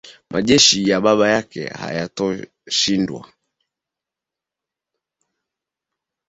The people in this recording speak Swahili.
majeshi ya baba yake hayatoshindwa